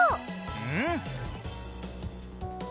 うん！